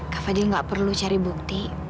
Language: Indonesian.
kak fadil nggak perlu cari bukti